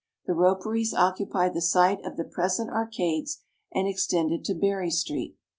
The roperies occupied the site of the present Arcades, and extended to Berry street.